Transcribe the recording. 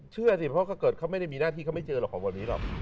เชื่อสิเพราะถ้าเกิดเขาไม่ได้มีหน้าที่เขาไม่เจอหรอกของวันนี้หรอก